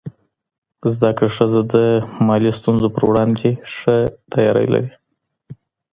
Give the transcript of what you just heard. زده کړه ښځه د مالي ستونزو پر وړاندې ښه تیاری لري.